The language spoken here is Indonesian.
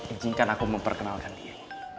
ijinkan aku memperkenalkan diri